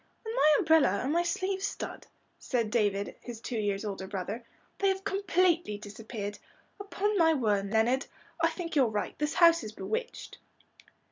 "And my umbrella, and my sleeve stud," said David, his two years older brother. "They have completely disappeared. Upon my word, Leonard, I think you're right, this house is bewitched."